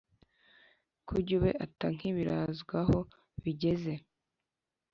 kujyube ata nk’ibiranzw aho bigeze,